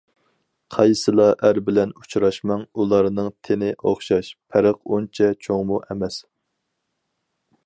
قايسىلا ئەر بىلەن ئۇچراشماڭ، ئۇلارنىڭ تېنى ئوخشاش، پەرق ئۇنچە چوڭمۇ ئەمەس.